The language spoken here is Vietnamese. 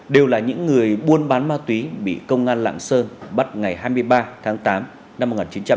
đều là những người buôn bán ma túy bị công an lạng sơn bắt ngày hai mươi ba tháng tám năm một nghìn chín trăm bảy mươi ba